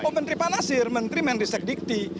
oh menteri panasir menteri mendriset dikti